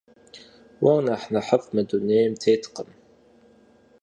Уэр нэхъ нэхъыфӏ мы дунейм теткъым.